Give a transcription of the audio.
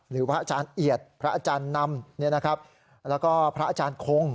พระอาจารย์เอียดพระอาจารย์นำแล้วก็พระอาจารย์คง